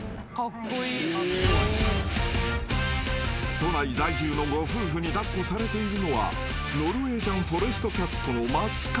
［都内在住のご夫婦に抱っこされているのはノルウェージャンフォレストキャットの松風。